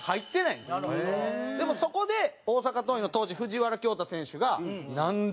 でもそこで大阪桐蔭の当時藤原恭大選手がなんだ？